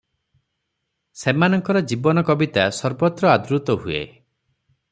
ସେମାନଙ୍କର ଜୀବନ୍ତ କବିତା ସର୍ବତ୍ର ଆଦୃତ ହୁଏ ।